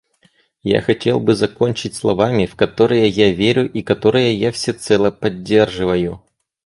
Я хотел бы закончить словами, в которые я верю и которые я всецело поддерживаю.